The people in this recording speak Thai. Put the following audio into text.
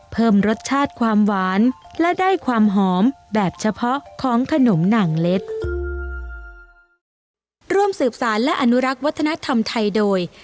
เพิ่มรสชาติความหวานและได้ความหอมแบบเฉพาะของขนมหนังเล็ด